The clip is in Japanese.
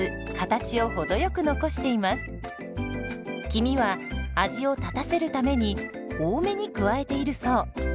黄身は味を立たせるために多めに加えているそう。